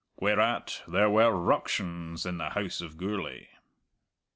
Whereat there were ructions in the House of Gourlay.